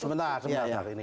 sebentar sebentar ya